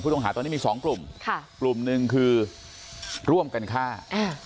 ต้องหาตอนนี้มีสองกลุ่มค่ะกลุ่มหนึ่งคือร่วมกันฆ่าอ่า